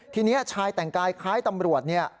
ทีนี้ชายแต่งกายคล้ายตำรวจเนี่ย